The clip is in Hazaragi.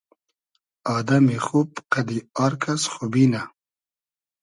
آدئمی خوب قئدی آر کئس خوبی نۂ